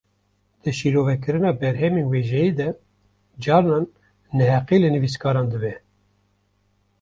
Di şîrovekirina berhemên wêjeyî de, carnan neheqî li nivîskaran dibe